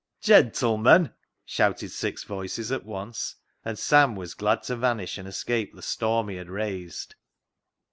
" Gentleman !" shouted six voices at once, and Sam was glad to vanish, and escape the storm he had raised.